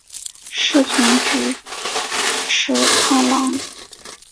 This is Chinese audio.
师从菊池康郎。